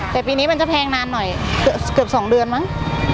แต่ปีนี้มันจะแพงนานหน่อยเกือบ๒เดือนมั้ง